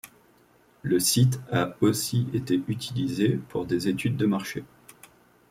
Le site a aussi été utilisé pour des études de marché.